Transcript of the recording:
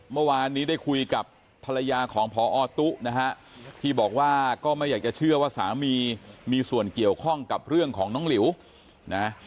เมื่อวานนี้ได้คุยกับภรรยาของพอตุ๊นะฮะที่บอกว่าก็ไม่อยากจะเชื่อว่าสามีมีส่วนเกี่ยวข้องกับเรื่องของน้องหลิวนะ